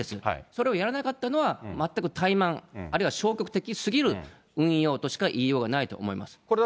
それをやらなかったのは全く怠慢、あるいは消極的すぎる運用としか言いようがないと思います。